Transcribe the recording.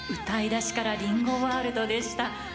歌い出しから林檎ワールドでした。